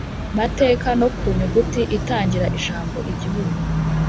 Mateka no ku nyuguti itangira ijambo igihugu